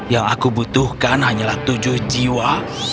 yang aku butuhkan hanyalah tujuh jiwa